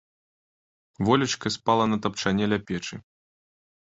Волечка спала на тапчане ля печы.